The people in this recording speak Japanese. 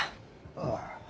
ああ。